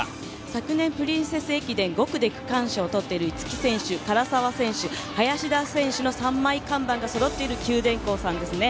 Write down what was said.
昨年、プリンセス駅伝５区で区間賞を取っている逸木選手、唐沢選手、林田選手の三枚看板がそろっている九電工ですね。